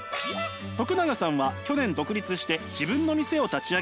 永さんは去年独立して自分の店を立ち上げました。